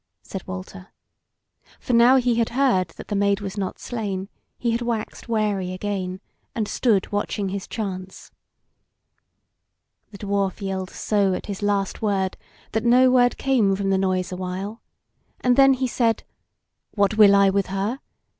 said Walter; for now he had heard that the Maid was not slain he had waxed wary again, and stood watching his chance. The Dwarf yelled so at his last word, that no word came from the noise a while, and then he said: "What will I with her?